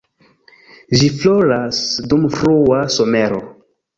Ĝi floras dum frua somero.